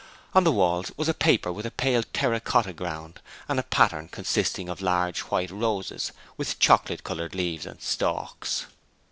On the walls was a paper with a pale terra cotta ground and a pattern consisting of large white roses with chocolate coloured leaves and stalks.